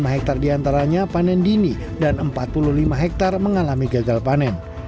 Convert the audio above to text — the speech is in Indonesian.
lima puluh lima hektare di antaranya panen dini dan empat puluh lima hektare mengalami gagal panen